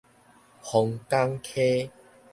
磺港溪